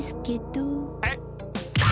えっ！？